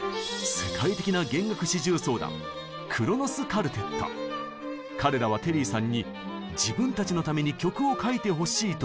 世界的な彼らはテリーさんに「自分たちのために曲を書いてほしい」と訴えてきたのです。